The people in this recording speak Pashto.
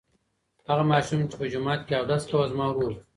هغه ماشوم چې په جومات کې اودس کاوه زما ورور و.